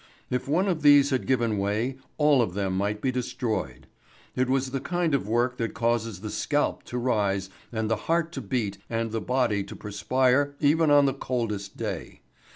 If one of these had given way, all of them might be destroyed. It was the kind of work that causes the scalp to rise and the heart to beat and the body to perspire even on the coldest day.